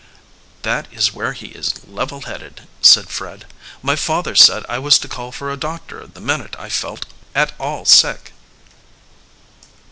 "That is where he is level headed," said Fred. "My father said I was to call for a doctor the minute I felt at all sick."